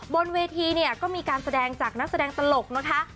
บนเวทีเนี่ยก็มีการแสดงจากนักแสดงตลกนะคะ